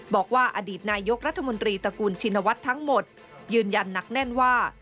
บอกว่าอดีตนายกรัฐมนตรีตระกูลชินวัฒน์ทั้งหมดยืนยันหนักแน่นว่า